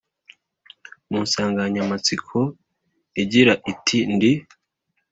mu nsanganyamatsiko igira iti Ndi